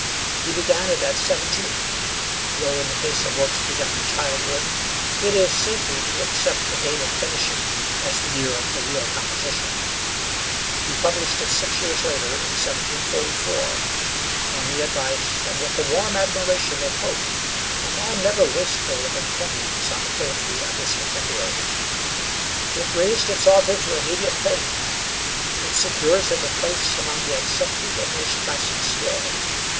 He began it at seventeen; though in the case of works begun in childhood, it is safer to accept the date of finishing as the year of the real composition. He published it six years later, in 1744, on the advice and with the warm admiration of Pope, a man never wasteful of encomiums on the poetry of his contemporaries. It raised its author to immediate fame. It secures him a place among the accepted English classics still.